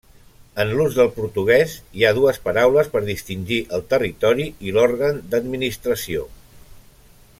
En l'ús del portuguès, hi ha dues paraules per distingir el territori i l'òrgan d'administració.